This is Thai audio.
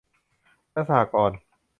และสหกรณ์